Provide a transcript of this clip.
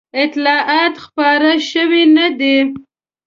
اطلاعات خپاره شوي نه دي.